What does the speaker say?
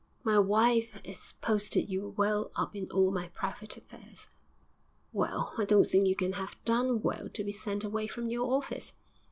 'My wife 'as posted you well up in all my private affairs.' 'Well, I don't think you can have done well to be sent away from your office.'